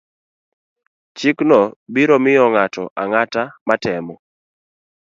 Chikno biro miyo ng'ato ang'ata matemo